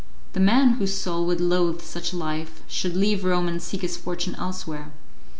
The man whose soul would loathe such a life should leave Rome and seek his fortune elsewhere.